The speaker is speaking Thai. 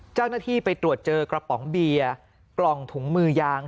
เจ้าหน้าที่ไปตรวจเจอกระป๋องเบียร์กล่องถุงมือยาง